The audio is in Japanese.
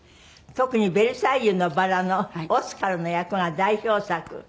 特に『ベルサイユのばら』のオスカルの役が代表作。